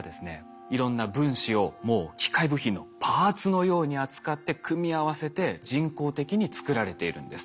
いろんな分子をもう機械部品のパーツのように扱って組み合わせて人工的に作られているんです。